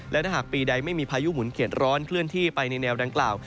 และถ้าหากปีใดไม่มีพายุหมุนเข็ดร้อนเคลื่อนที่ไปในแนวดังกล่าว